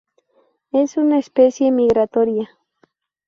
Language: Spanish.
Es una especie migratoria.